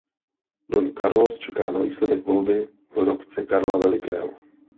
Don Carlos čeká na výsledek volby v hrobce Karla Velikého.